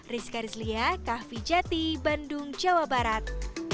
rizka rizlia kah vijati bandung jawa barat